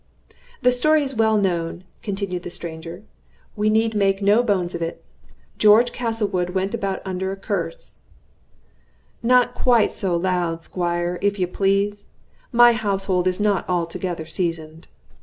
"The story is well known," continued the stranger: "we need make no bones of it. George Castlewood went about under a curse " "Not quite so loud, Squire, if you please. My household is not altogether seasoned."